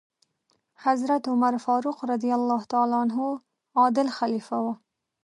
حضرت عمر فاروق رض عادل خلیفه و.